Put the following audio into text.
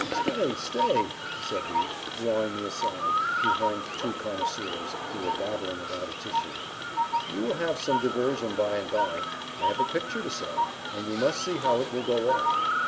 "Stay, stay," said he, drawing me aside, behind two connoisseurs, who were babbling about a Titian, "you will have some diversion by and by. I have a picture to sell, and you must see how it will go off.